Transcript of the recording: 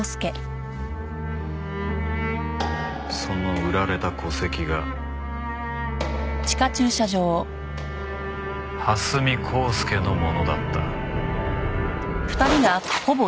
その売られた戸籍が蓮見光輔のものだった。